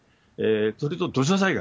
それと土砂災害。